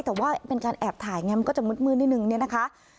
แต่ว่าเป็นการแอบถ่ายไงมันก็จะมืดนิดนึงเนี่ยนะคะ